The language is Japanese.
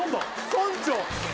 村長！